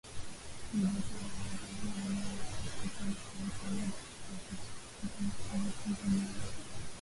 Ripoti ya Baraza la Jumuiya ya Afrika Mashariki ambayo gazeti la Afrika Mashariki iliiona.